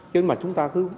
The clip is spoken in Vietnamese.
chứ mà chúng ta cứ